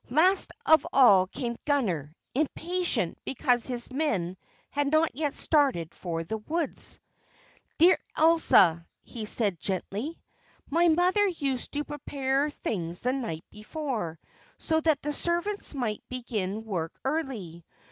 Last of all came Gunner, impatient because his men had not yet started for the woods. "Dear Elsa," he said gently, "my mother used to prepare things the night before, so that the servants might begin work early.